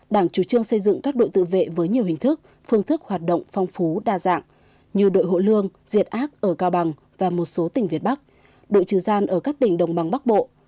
đảng chủ trương xây dựng các đội tự vệ với nhiều hình thức phương thức hoạt động phong phú đa dạng như đội hộ lương diệt ác ở cao bằng và một số tỉnh việt bắc đội trừ gian ở các tỉnh đồng bằng bắc bộ